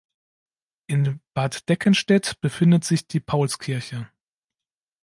In Baddeckenstedt befindet sich die Paulskirche.